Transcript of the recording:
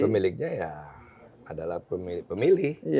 pemiliknya ya adalah pemilih